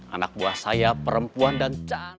anak buah saya perempuan dan can